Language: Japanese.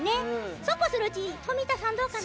そうこうするうちに富田さん、どうかな？